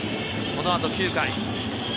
このあと９回。